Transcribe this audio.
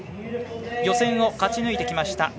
予選を勝ち抜いてきました